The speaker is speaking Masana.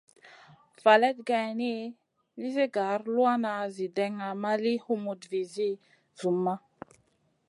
Faleyd geyni, nizi gar luanʼna zi dena ma li humutna vizi zumma.